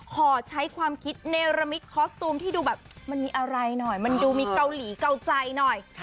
ขอใช้ความคิดเนรมิตคอสตูมที่ดูแบบมันมีอะไรหน่อยมันดูมีเกาหลีเกาใจหน่อย